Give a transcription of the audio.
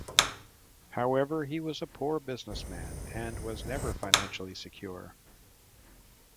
However, he was a poor businessman and was never financially secure.